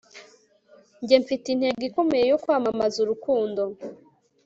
njye mfite intego ikomeye, yo kwamamaza urukundo